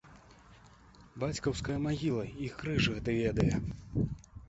Бацькаўская магіла і крыж гэты ведае!